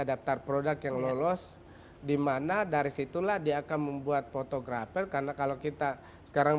adaptar produk yang lolos dimana dari situlah dia akan membuat fotografer karena kalau kita sekarang